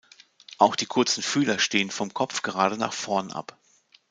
Auch die kurzen Fühler stehen vom Kopf gerade nach vorn ab.